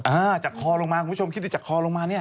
อ่าจากคอลงมาคุณผู้ชมคิดดูจากคอลงมาเนี่ย